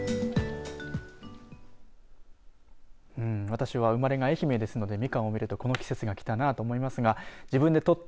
私は生まれが愛媛ですのでみかんを見るとこの季節がきたなと思いますが自分でとって